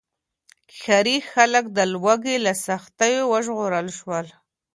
ښاري خلک د لوږې له سختیو وژغورل شول.